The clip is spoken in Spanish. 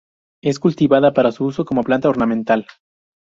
Es cultivada para su uso como planta ornamental.